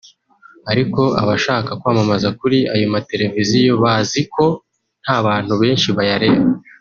Ariko abashaka kwamamaza kuri ayo mateleviziyo bazi ko nta bantu benshi bayareba